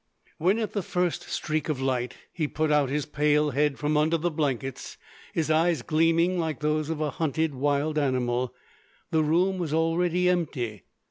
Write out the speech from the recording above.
When at the first streak of light he put out his pale head from under the blankets, his eyes gleaming like those of a hunted wild animal, the room was already empty.